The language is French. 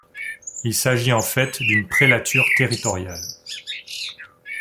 Il s'agit en fait d'une prélature territoriale.